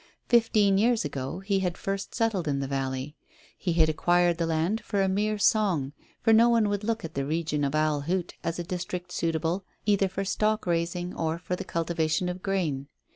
Fifteen years ago he had first settled in the valley. He had acquired the land for a mere song; for no one would look at the region of Owl Hoot as a district suitable either for stock raising or for the cultivation of grain.